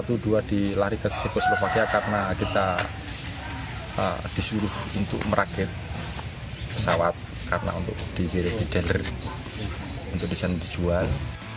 ini dua di lari ke cekoslovakia karena kita disuruh untuk merakit pesawat karena untuk di delir untuk disana dijual